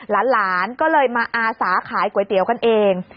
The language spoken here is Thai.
หลานก็เลยมาอาสาขายก๋วยเตี๋ยวกันเอง